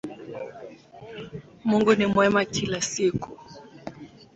Mungu ni mwema kila siku